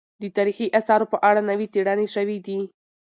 د تاريخي اثارو په اړه نوې څېړنې شوې دي.